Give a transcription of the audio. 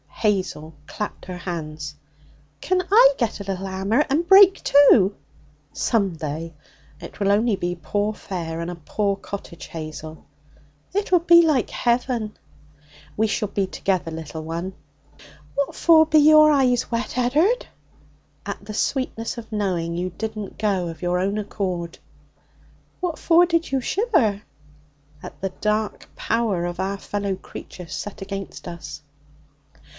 Hazel clapped her hands. 'Can I get a little 'ammer and break, too?' 'Some day. It will only be poor fare and a poor cottage, Hazel.' 'It'll be like heaven!' 'We shall be together, little one.' 'What for be your eyes wet, Ed'ard?' 'At the sweetness of knowing you didn't go of your own accord.' 'What for did you shiver?' 'At the dark power of our fellow creatures set against us.'